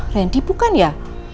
randy bukan ya